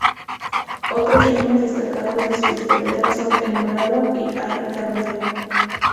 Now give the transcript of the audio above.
Otros filmes destacados de su historial son: "El Dorado" y "¡Ay, Carmela!